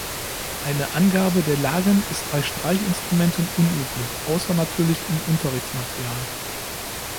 Eine Angabe der Lagen ist bei Streichinstrumenten unüblich, außer natürlich in Unterrichtsmaterial.